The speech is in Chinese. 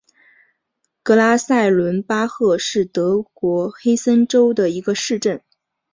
格拉塞伦巴赫是德国黑森州的一个市镇。